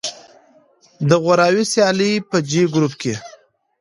د غوراوي سیالیو په جې ګروپ کې